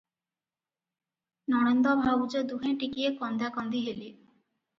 ନଣନ୍ଦ ଭାଉଜ ଦୁହେଁ ଟିକିଏ କନ୍ଦାକନ୍ଦିହେଲେ ।